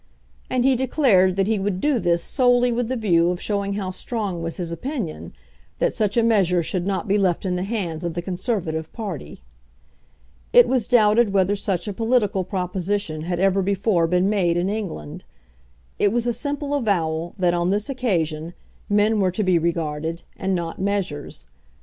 And he declared that he would do this solely with the view of showing how strong was his opinion that such a measure should not be left in the hands of the Conservative party. It was doubted whether such a political proposition had ever before been made in England. It was a simple avowal that on this occasion men were to be regarded, and not measures.